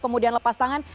kemudian lepas tangan